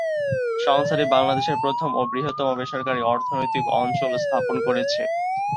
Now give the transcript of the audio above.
সংস্থাটি বাংলাদেশের প্রথম ও বৃহত্তম বেসরকারী অর্থনৈতিক অঞ্চল স্থাপন করেছে।